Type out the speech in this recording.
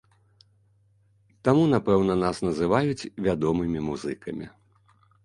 Таму, напэўна, нас называюць вядомымі музыкамі.